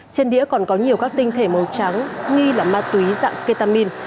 trên đĩa còn có nhiều các tinh thể màu trắng nghi là ma túy dạng ketamin